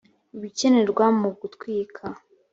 ibikenerwa mu gutwika